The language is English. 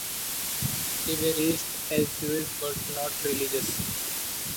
They were raised as Jewish but not religious.